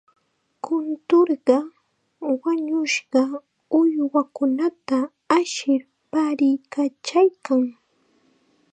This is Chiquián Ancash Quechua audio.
Kunturqa wañushqa uywakunata ashir paariykachaykan.